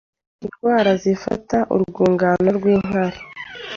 indwara zifata urwungano rw’inkari